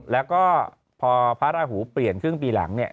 แล้วก็พอพระราหูเปลี่ยนครึ่งปีหลังเนี่ย